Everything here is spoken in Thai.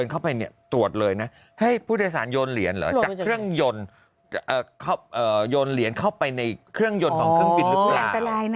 เข้าไปในเครื่องยนต์ของเครื่องบินรึเปล่า